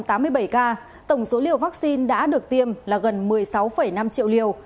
tổng số liều vaccine đã được tiêm là gần một mươi sáu năm triệu liều